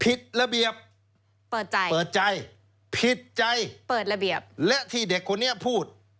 ผิดระเบียบเปิดใจผิดใจและที่เด็กคนนี้พูด